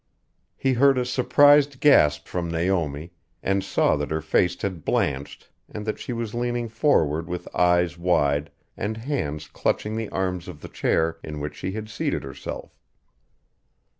He heard a surprised gasp from Naomi and saw that her face had blanched and that she was leaning forward with eyes wide and hands clutching the arms of the chair in which she had seated herself.